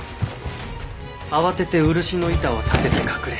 慌てて漆の板を立てて隠れ。